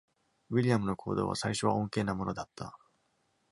ウィリアムの行動は、最初は穏健なものだった。